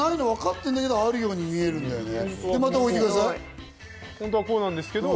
わかってるんだけれども、あるように見えるね。